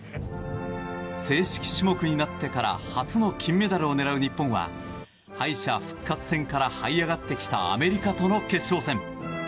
正式種目になってから初の金メダルを狙う日本は敗者復活戦からはい上がってきたアメリカとの決勝戦。